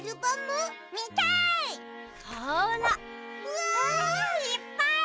うわ！いっぱい。